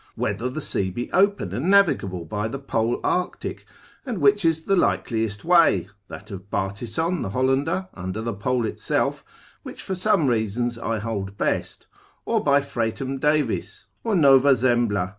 Whether the sea be open and navigable by the Pole arctic, and which is the likeliest way, that of Bartison the Hollander, under the Pole itself, which for some reasons I hold best: or by Fretum Davis, or Nova Zembla.